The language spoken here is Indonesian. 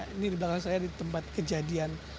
ini di belakang saya di tempat kejadian